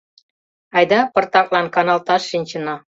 Айда пыртаклан каналташ шинчына.